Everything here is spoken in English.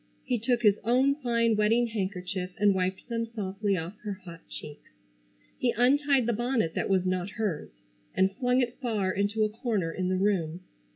He took his own fine wedding handkerchief and wiped them softly off her hot cheeks. He untied the bonnet that was not hers, and flung it far into a corner in the room.